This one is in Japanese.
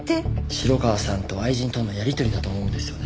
城川さんと愛人とのやりとりだと思うんですよね。